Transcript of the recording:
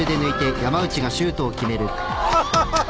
ハハハハハ。